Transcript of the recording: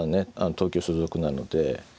東京所属なので。